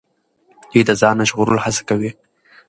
دوی د ځان ژغورلو هڅه کوله.